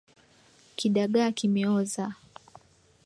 Kidagaa kimeoza.